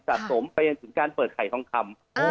สะสมไปกับการเปิดไข่ท่องคำ